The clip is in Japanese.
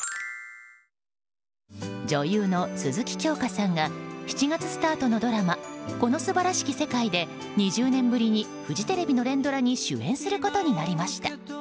女優の鈴木京香さんが７月スタートのドラマ「この素晴らしき世界」で２０年ぶりにフジテレビの連ドラに主演することになりました。